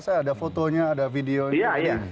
saya ada fotonya ada videonya